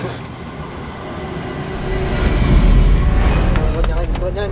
gua nyalain gua nyalain